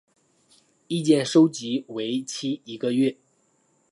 意见收集为期一个月。